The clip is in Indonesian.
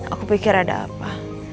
aku pikir ada apa